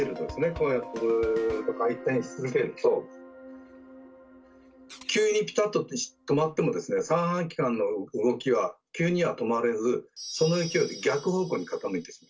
こうやってずっと回転し続けると急にピタッと止まってもですね三半規管の動きは急には止まれずその勢いで逆方向に傾いてしまいます。